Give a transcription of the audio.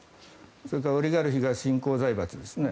それからオリガルヒ新興財閥ですね。